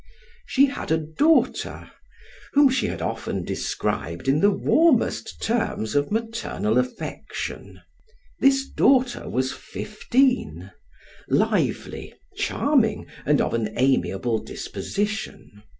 She had a daughter, whom she had often described in the warmest terms of maternal affection: this daughter was fifteen lively, charming, and of an amiable disposition.